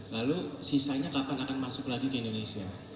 lalu sisanya kapan akan masuk lagi ke indonesia